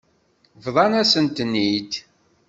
Bḍant-asent-ten-id.